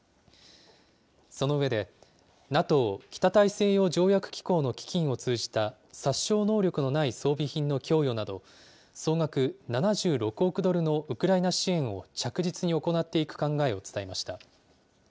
その上で、ＮＡＴＯ・北大西洋条約機構の基金を通じた殺傷能力のない装備品の供与など、総額７６億ドルのウクライナ支援を、着実に行っていく考えを伝えました。